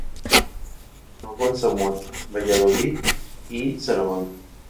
Trabajó en Zamora, Valladolid y Salamanca.